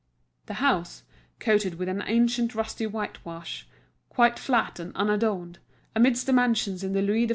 The house, coated with an ancient rusty white wash, quite flat and unadorned, amidst the mansions in the Louis XIV.